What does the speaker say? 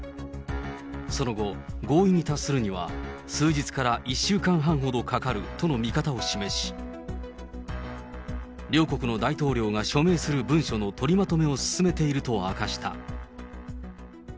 その後、合意に達するには数日から１週間半ほどかかるとの見方を示し、両国の大統領が署名する文書の取りまとめを進めていると明かした。